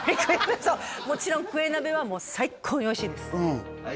そうもちろんクエ鍋は最高においしいです